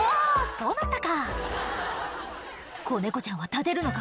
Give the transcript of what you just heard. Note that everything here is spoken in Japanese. そうなったか子猫ちゃんは立てるのか？